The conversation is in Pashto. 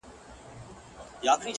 ارمان به وکړې وخت به تېر وي!